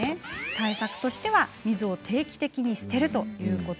対策としては水を定期的に捨てるということ。